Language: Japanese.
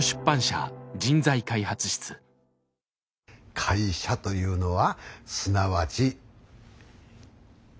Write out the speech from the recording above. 会社というのはすなわち。